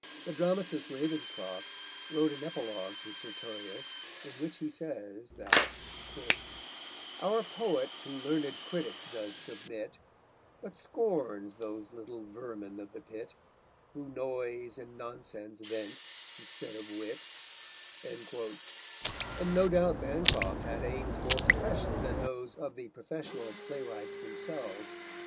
The dramatist Ravenscroft wrote an epilogue to Sertorius, in which he says that _Our Poet to learnèd critics does submit, But scorns those little vermin of the pit, Who noise and nonsense vent instead of wit_, and no doubt Bancroft had aims more professional than those of the professional playwrights themselves.